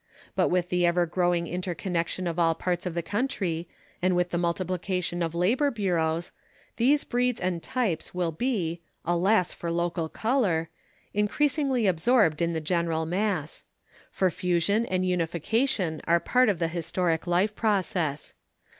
But with the ever growing interconnection of all parts of the country, and with the multiplication of labour bureaux, these breeds and types will be alas, for local colour! increasingly absorbed in the general mass. For fusion and unification are part of the historic life process.